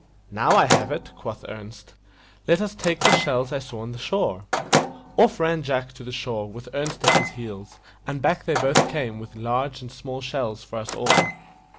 "Now I have it," quoth Ernest. "Let us use the shells I saw on the shore." Off ran Jack to the shore, with Ernest at his heels, and back they both came with large and small shells for us all.